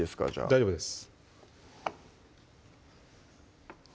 大丈夫です